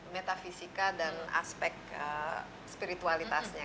metafisika dan aspek spiritualitasnya